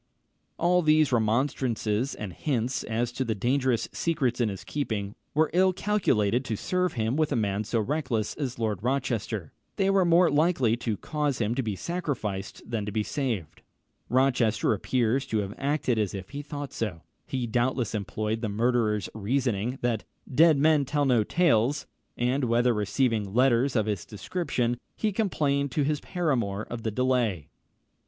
] All these remonstrances, and hints as to the dangerous secrets in his keeping, were ill calculated to serve him with a man so reckless as Lord Rochester: they were more likely to cause him to be sacrificed than to be saved. Rochester appears to have acted as if he thought so. He doubtless employed the murderer's reasoning, that "dead men tell no tales," when, after receiving letters of this description, he complained to his paramour of the delay.